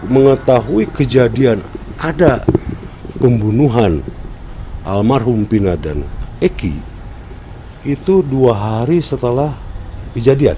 mengetahui kejadian ada pembunuhan almarhum pina dan eki itu dua hari setelah kejadian